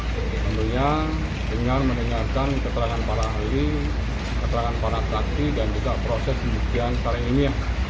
tentunya dengan mendengarkan keterangan para ahli keterangan para saksi dan juga proses pembuktian sekarang ini